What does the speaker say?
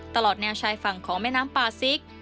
ตลอดแนวชายฝั่งของแม่น้ำปาซิก